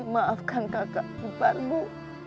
maafkan kakak bubanmu